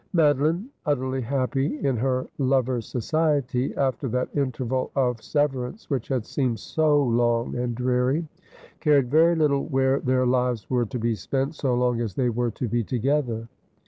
Madeline, utterly happy in her lover's society, after that interval of severance which had seemed so long and dreary, cared very little where their lives were to be spent, so long as they were to be together.